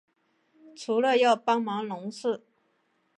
除了要帮忙农事